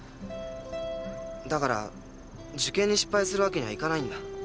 だから受験に失敗するわけにはいかないんだ。